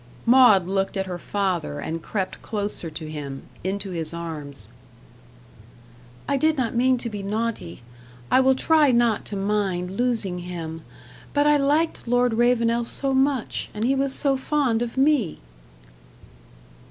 Maud looked at her father, and crept closer to him into his arms. "I did not mean to be naughty. I will try not to mind losing him. But I liked Lord Ravenel so much and he was so fond of me."